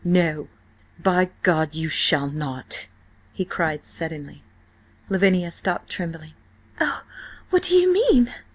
"No, by God you shall not!" he cried suddenly. Lavinia stopped, trembling. "Oh–oh, what do you mean?"